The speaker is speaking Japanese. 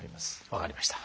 分かりました。